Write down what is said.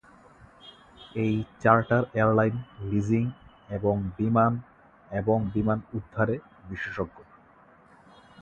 এই charter airline leasing এবং বিমান এবং বিমান উদ্ধারে বিশেষজ্ঞ।